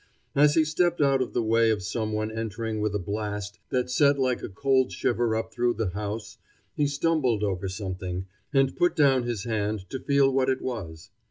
As he stepped out of the way of some one entering with a blast that set like a cold shiver up through the house, he stumbled over something, and put down his hand to feel what it was.